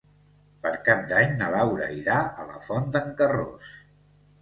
Per Cap d'Any na Laura irà a la Font d'en Carròs.